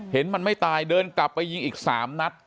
เห็นมันไม่ตายเดินกลับไปยิงอีก๓นัด